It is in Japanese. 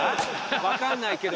わかんないけど。